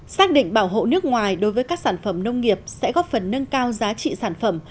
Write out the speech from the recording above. xác định bảo hộ nước ngoài đối với các sản phẩm nông nghiệp sẽ góp phần nâng cao giá trị sản phẩm